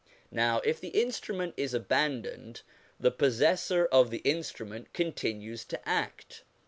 Now, if the instrument is abandoned, the possessor of the instrument continues to act.